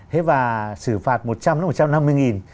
thế và xử phạt một trăm linh đến một trăm năm mươi nghìn